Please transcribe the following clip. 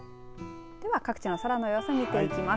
各地の空の様子を見ていきます。